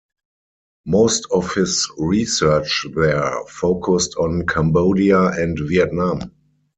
Most of his research there focused on Cambodia and Vietnam.